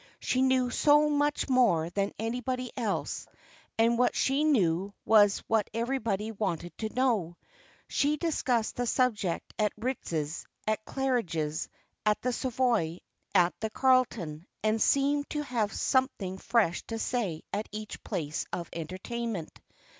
She knew so much more than anybody else, and what she knew was what everybody wanted to know. She discussed the subject at Ritz's, at Claridge's, at the Savoy, at the Carlton, and seemed to have something fresh to say at each place of entertainment.